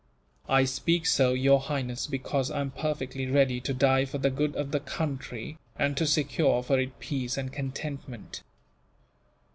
"I speak so, Your Highness, because I am perfectly ready to die for the good of the country, and to secure for it peace and contentment."